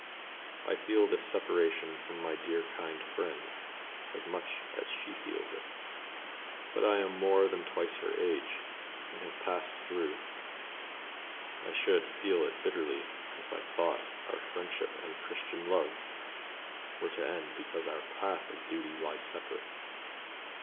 I feel this separation from my dear kind friend as much as she feels it. But I am more than twice her age and have passed through I should feel it bitterly if I thought our friendship and Christian love were to end because our path of duty lies separate.